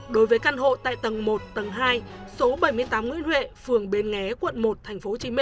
đối với căn hộ tại tầng một tầng hai số bảy mươi tám nguyễn huệ phường bến nghé quận một tp hcm